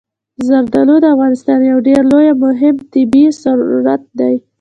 زردالو د افغانستان یو ډېر لوی او مهم طبعي ثروت دی.